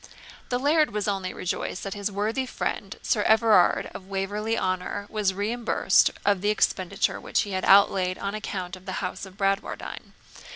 The laird was only rejoiced that his worthy friend, Sir Everard Waverley of Waverley Honour, was reimbursed of the expenditure which he had outlaid on account of the house of Bradwardine.